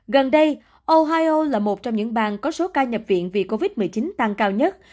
gần đây ohio là một trong những bang có số ca nhập viện vì covid một mươi chín tăng cao nhất